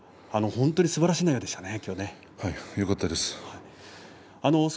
本当にすばらしい内容でしたね